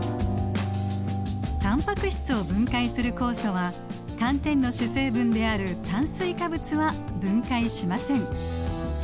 タンパク質を分解する酵素は寒天の主成分である炭水化物は分解しません。